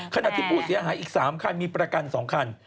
ขณะที่ผู้เสียหายอีก๓คันมีประกัน๒คัน